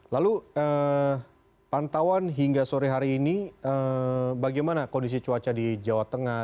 lalu pantauan hingga sore hari ini bagaimana kondisi cuaca di jawa tengah